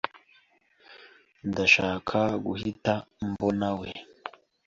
Ndashaka guhita mbonawe .